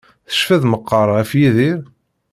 Tecfiḍ meqqar ɣef Yidir?